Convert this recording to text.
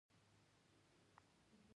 د سرود رڼا هم د دوی په زړونو کې ځلېده.